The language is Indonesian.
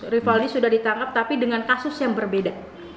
rivaldi sudah ditangkap tapi dengan kasus yang berbeda